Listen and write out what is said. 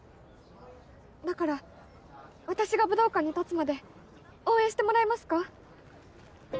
だから私が武道館に立つまで応援してもらえますか？